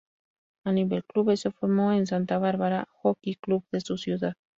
A nivel clubes, se formó en Santa Bárbara Hockey Club de su ciudad.